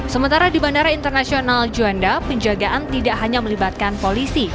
sementara di bandara internasional juanda penjagaan tidak hanya melibatkan polisi